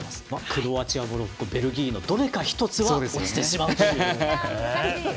クロアチア、モロッコベルギーの一つは落ちてしまうという。